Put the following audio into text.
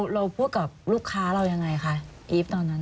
เราพูดกับลูกค้าเรายังไงคะอีฟตอนนั้น